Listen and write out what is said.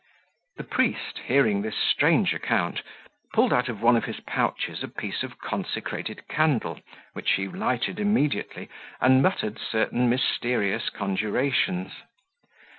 The priest, hearing this strange account, pulled out of one of his pouches a piece of consecrated candle, which he lighted immediately, and muttered certain mysterious conjurations.